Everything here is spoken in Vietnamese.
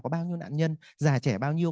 có bao nhiêu nạn nhân già trẻ bao nhiêu